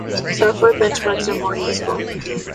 Software benchmarks are more useful.